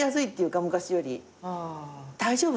「大丈夫？